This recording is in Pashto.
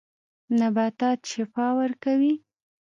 نباتات شفاء ورکوي.